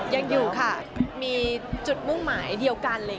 ยังอยู่ค่ะมีจุดมุ่งหมายเดียวกันเลย